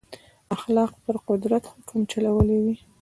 اخلاق پر قدرت حکم چلولی وي.